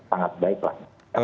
sangat baik lah